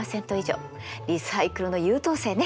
リサイクルの優等生ね。